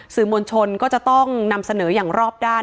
สื่อมวลชนก็จะต้องนำเสนออย่างรอบด้าน